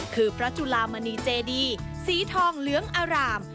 คือพระจุลามณีเจดีสีทองเหลืองอร่าม